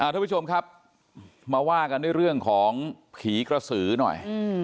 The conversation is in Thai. ทุกผู้ชมครับมาว่ากันด้วยเรื่องของผีกระสือหน่อย